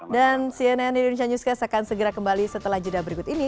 dan cnn indonesia newscast akan segera kembali setelah jeda berikut ini